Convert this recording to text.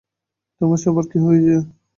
তোমার সবার কী হয়েছে?